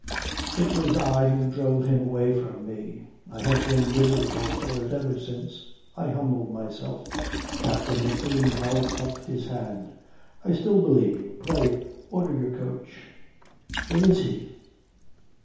"It was I who drove him away from me. I have been miserable for it ever since. I humbled myself." Captain McBean held up his hand. "I still believe you. Pray, order your coach." "Where is he?"